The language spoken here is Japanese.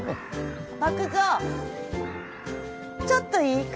篤蔵ちょっといいか？